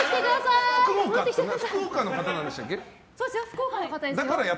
福岡の方なんでしたっけ？